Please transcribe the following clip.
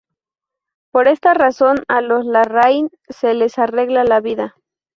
Por esta razón a los Larraín se les arregla la vida.